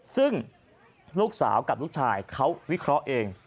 ซึ่งลูกสาวกับลูกชายเขาวิเคราะห์เอง